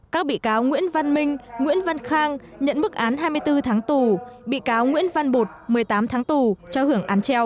các bị cáo nguyễn văn minh nguyễn văn khang nhận mức án hai mươi bốn tháng tù bị cáo nguyễn văn bột một mươi tám tháng tù cho hưởng án treo